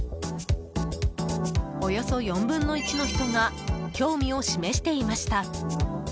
およそ４分の１の人が興味を示していました。